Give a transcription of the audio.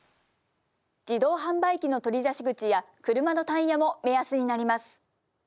自動販売機の取り出し口や車のタイヤも目安になります。